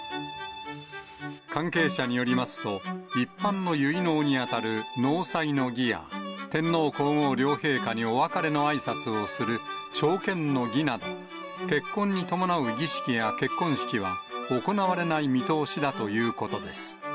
関係者によりますと、一般の結納に当たる納采の儀や、天皇皇后両陛下にお別れのあいさつをする朝見の儀など、結婚に伴う儀式や結婚式は、行われない見通しだということです。